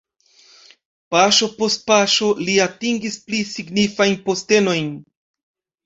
Paŝo post paŝo li atingis pli signifajn postenojn.